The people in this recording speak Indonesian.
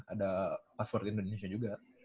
ada password indonesia juga